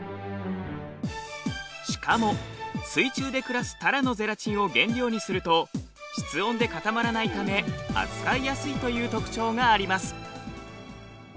しかも水中で暮らすタラのゼラチンを原料にすると室温で固まらないため扱いやすいという特徴があります。